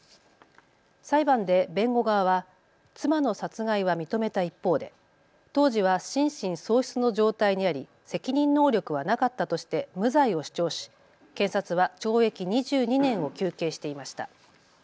裁判で弁護側は妻の殺害は認めた一方で当時は心神喪失の状態にあり責任能力はなかったとして無罪を主張し、検察は懲役２２年を求刑していました。